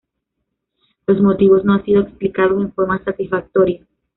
Los motivos no han sido explicados en forma satisfactoria.